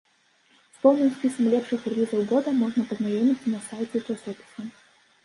З поўным спісам лепшых рэлізаў года можна пазнаёміцца на сайце часопіса.